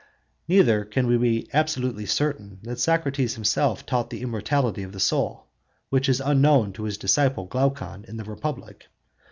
Neither can we be absolutely certain that Socrates himself taught the immortality of the soul, which is unknown to his disciple Glaucon in the Republic (cp.